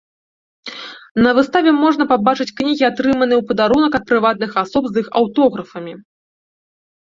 На выставе можна пабачыць кнігі, атрыманыя ў падарунак ад прыватных асоб з іх аўтографамі.